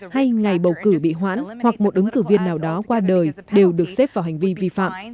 hay ngày bầu cử bị hoãn hoặc một ứng cử viên nào đó qua đời đều được xếp vào hành vi vi phạm